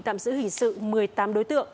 tạm giữ hình sự một mươi tám đối tượng